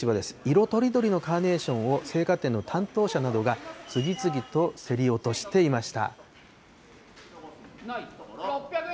色とりどりのカーネーションを生花店の担当者などが、次々と競り落としていました。